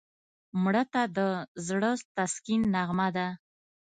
مړه ته د زړه تسکین نغمه ده